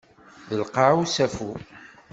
D lqaɛ usafu.